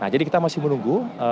jadi kita masih menunggu